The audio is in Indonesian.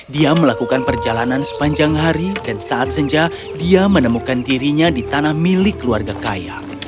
dia melakukan perjalanan sepanjang hari dan saat senja dia menemukan dirinya di tanah milik keluarga kaya